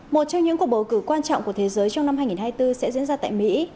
một trong những cuộc bầu cử quan trọng của thế giới trong năm hai nghìn hai mươi bốn sẽ diễn ra tại mỹ